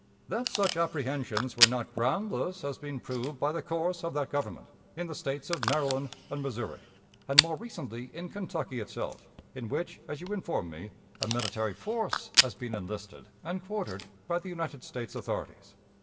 That such apprehensions were not groundless has been proved by the course of that Government in the States of Maryland and Missouri, and more recently in Kentucky itself, in which, as you inform me, 'a military force has been enlisted and quartered by the United States authorities.'